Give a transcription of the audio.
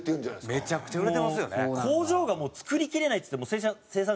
工場がもう作りきれないって言って。